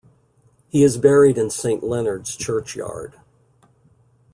He is buried in Saint Leonard's churchyard.